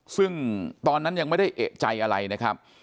ซึ่งตอนนั้นยังไม่ได้เอกใจอะไรนะครับ